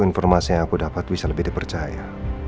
informasi yang aku dapat bisa lebih dipercaya